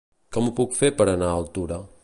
Com ho puc fer per anar a Altura?